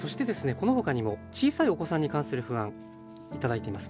このほかにも小さいお子さんに関する不安頂いています。